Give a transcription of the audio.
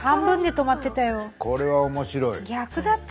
これは面白い。